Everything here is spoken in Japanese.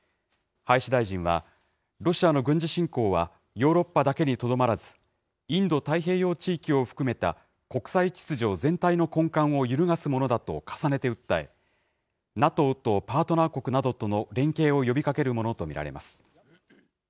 林大臣は、ロシアの軍事侵攻は、ヨーロッパだけにとどまらず、インド太平洋地域を含めた国際秩序全体の根幹を揺るがすものだと重ねて訴え、ＮＡＴＯとパートナー国などとの連携を呼びかけるものと見られます。